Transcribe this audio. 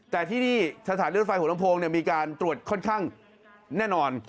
แต่ที่นี่สถานเลือดไฟหัวลำโพงมีการตรวจค่อนข้างแน่นอน